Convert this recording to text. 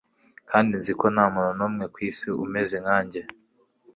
kandi nzi ko ntamuntu numwe kwisi umeze nkanjye